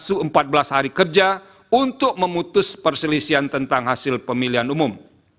untuk memutus perselisihan tentang hasil pemilihan umum